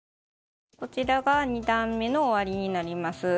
こちらが２段めの終わりになります。